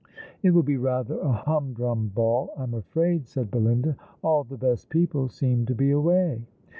"It will be rather a humdrum ball, I'm afraid," said Belinda. " All the best people seem to be away.''